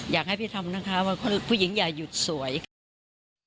อยากให้พี่ทำนะคะว่าผู้หญิงอย่าหยุดสวยค่ะ